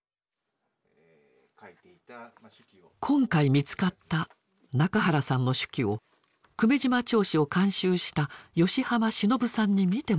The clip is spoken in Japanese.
今回見つかった仲原さんの手記を「久米島町史」を監修した吉浜忍さんに見てもらいました。